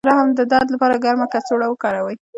د رحم د درد لپاره ګرمه کڅوړه وکاروئ